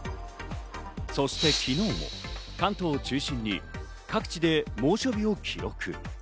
そして昨日も関東中心に各地で猛暑日を記録。